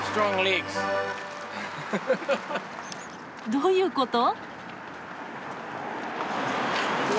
どういうこと？